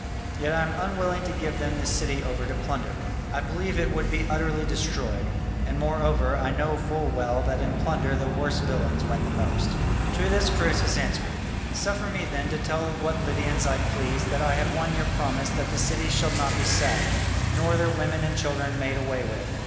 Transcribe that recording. Yet I am unwilling to give them this city over to plunder. I believe it would be utterly destroyed, and moreover I know full well that in plunder the worst villains win the most." To this Croesus answered, "Suffer me then to tell what Lydians I please that I have won your promise that the city shall not be sacked, nor their women and children made away with.